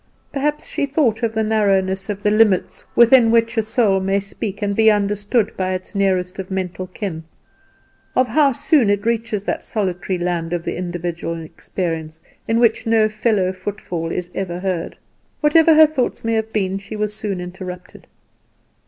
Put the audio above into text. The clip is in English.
Perhaps she thought of the narrowness of the limits within which a human soul may speak and be understood by its nearest of mental kin, of how soon it reaches that solitary land of the individual experience, in which no fellow footfall is ever heard. Whatever her thoughts may have been, she was soon interrupted.